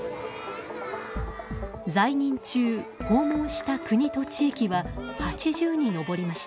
在任中、訪問した国と地域は８０に上りました。